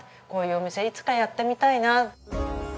「こういうお店いつかやってみたいな」。